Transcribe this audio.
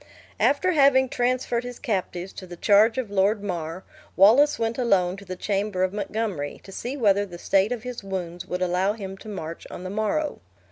After having transferred his captives to the charge of Lord Mar, Wallace went alone to the chamber of Montgomery, to see whether the state of his wounds would allow him to march on the morrow.